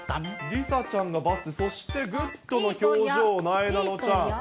梨紗ちゃんがバツ、そして、グッドの表情、なえなのちゃん。